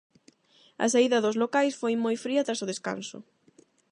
A saída dos locais foi moi fria tras o descanso.